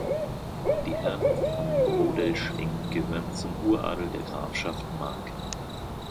Die Herren von Bodelschwingh gehören zum Uradel der Grafschaft Mark.